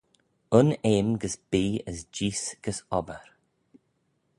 Un eam gys bee as jees gys obbyr